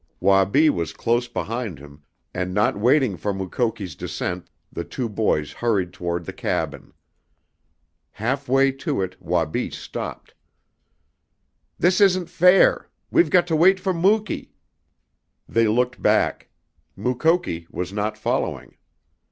Wabi was close behind him, and not waiting for Mukoki's descent the two boys hurried toward the cabin. Half way to it Wabi stopped. "This isn't fair. We've got to wait for Muky." They looked back. Mukoki was not following.